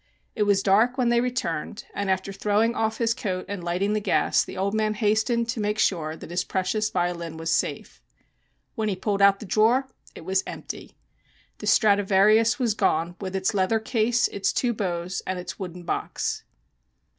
It was dark when they returned, and after throwing off his coat and lighting the gas the old man hastened to make sure that his precious violin was safe. When he pulled out the drawer it was empty. The Stradivarius was gone, with its leather case, its two bows and its wooden box.